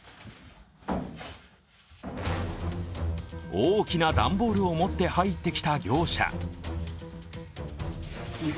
大きな段ボールを持って入ってきた業者。